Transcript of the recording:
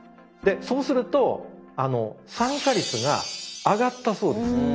そうすると参加率が上がったそうです。